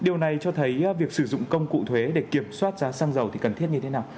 điều này cho thấy việc sử dụng công cụ thuế để kiểm soát giá xăng dầu thì cần thiết như thế nào